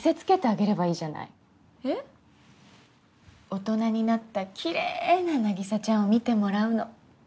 大人になったきれいな凪沙ちゃんを見てもらうの。